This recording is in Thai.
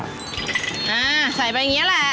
ใส่ไปอย่างนี้แหละ